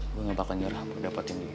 gue gak bakal nyerah mau dapetin dia